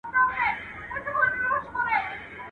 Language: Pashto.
د خره مينه لغته وي.